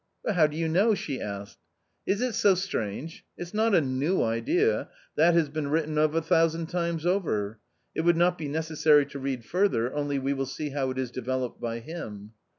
" But how do you know?" she asked. "Is it so strange ! It's not a new idea — that has been written of a thousand times over. It would not be neces sary to read further, only we will see how it is developed by him."